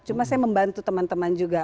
cuma saya membantu teman teman juga